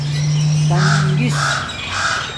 تنگس